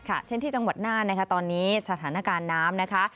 เช่นที่จังหวัดน่านตอนนี้สถานการณ์น้ำ